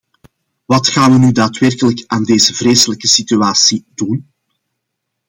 Wat gaan wij nu daadwerkelijk aan deze vreselijke situatie doen?